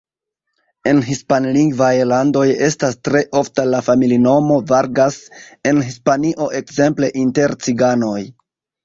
En hispanlingvaj landoj estas tre ofta la familinomo Vargas, en Hispanio ekzemple inter ciganoj.